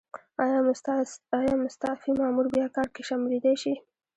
ایا مستعفي مامور بیا کار کې شاملیدای شي؟